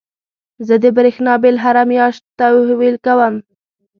زه د برېښنا بيل هره مياشت تحويل کوم.